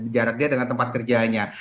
jarak dia dengan tempat kerjanya